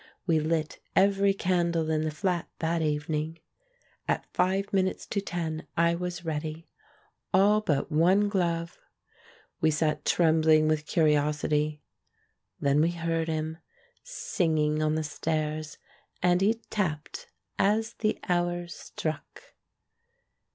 We lit every candle in the flat that evening. At five minutes to ten I was ready — all but one glove. We sat trembling with cu riosity. Then we heard him — singing on the stairs ; and he tapped as the hour struck.